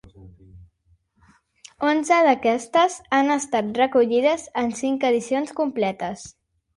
Onze d'aquestes han estat recollides en cinc edicions completes.